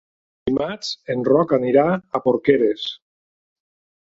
Dimarts en Roc anirà a Porqueres.